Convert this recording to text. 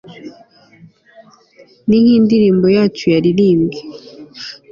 ni nkindirimbo yacu yaririmbwe